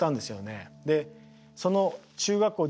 でその中学校